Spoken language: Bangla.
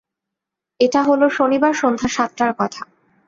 এটা হল শনিবার সন্ধ্যা সাতটার কথা।